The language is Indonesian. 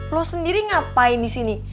lo sendiri ngapain di sini